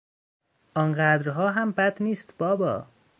آنقدرها هم بد نیست بابا!